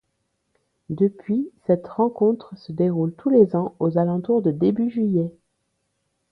Depuis, cette rencontre se déroule tous les ans aux alentours de début juillet.